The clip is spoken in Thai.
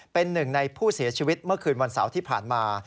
เป็นหนึ่งในผู้เสียชีวิตเมื่อคืนวันเสาร์ที่ผ่านมา